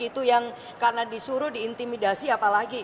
itu yang karena disuruh diintimidasi apalagi